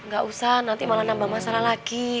gak usah nanti malah nambah masalah lagi